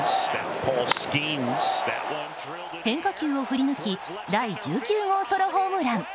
変化球を振り抜き第１９号ソロホームラン。